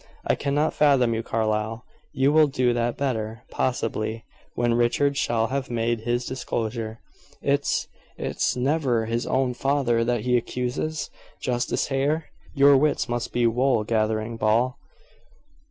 "I cannot fathom you, Carlyle." "You will do that better, possibly, when Richard shall have made his disclosure." "It's it's never his own father that he accuses? Justice Hare?" "Your wits must be wool gathering, Ball."